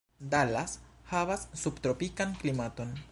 Dallas havas subtropikan klimaton.